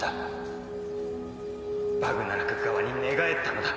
「バグナラク側に寝返ったのだ！」